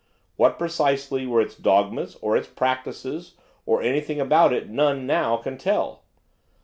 What, precisely, were its dogmas, or its practices, or anything about it, none, now, can tell.